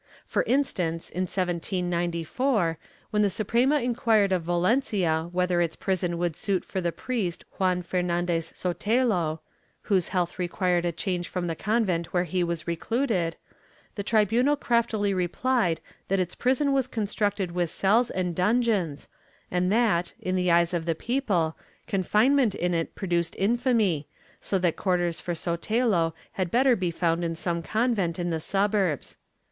For instance, in 1794, when the Suprema inquired of Valencia whether its prison would suit for the priest Juan Fer nandez Sotelo, whose health required a change from the convent where he was recluded, the tribunal craftily replied that its prison was constructed with cells and dungeons and that, in the eyes of the people, confinement in it produced infamy, so that quarters for Sotelo had better be found in some convent in the suburbs.